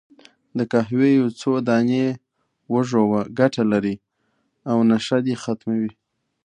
د قهوې یو څو دانې وژووه، ګټه لري، او نشه دې ختمه وي.